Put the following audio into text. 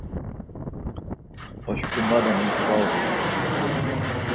Oşǩomale muti var uğurt̆u.